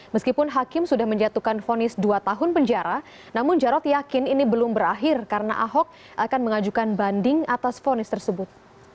meskipun hakim sudah menjatuhkan fonis dua tahun penjara namun jarod yakin ini belum berakhir karena ahok akan mengajukan banding atas fonis tersebut